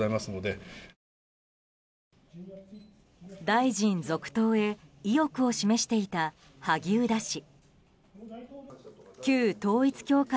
大臣続投へ意欲を示していた萩生田氏。